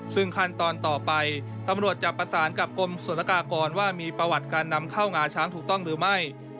ซึ่งขั้นตอนต่อไปตำรวจจะประสานกับกรมศุลกากรว่ามีประวัติการนำเข้างาช้างถูกต้องหรือไม่